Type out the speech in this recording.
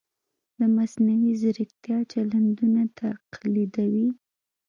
د مصنوعي ځیرکتیا چلندونه تقلیدوي.